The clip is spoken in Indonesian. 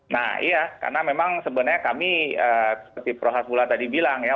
nah iya karena memang sebenarnya kami seperti prof hasbullah tadi bilang ya